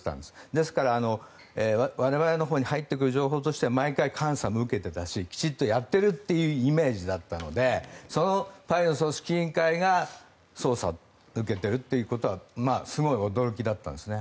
ですから、我々のほうに入ってくる情報としては毎回監査も受けていたしきちんとやっているというイメージだったのでそのパリの組織委員会が捜査を受けているということはすごい驚きだったんですね。